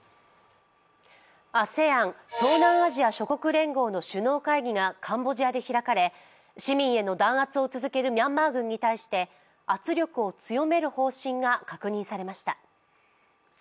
ＡＳＥＡＮ＝東南アジア諸国連合の首脳会議がカンボジアで開かれ、市民への弾圧を続けるミャンマー軍に対して圧力を強める方針が確認されました。